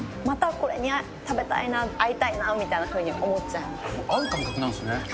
またこれに食べたいな、会いたいなみたいに思っちゃいます。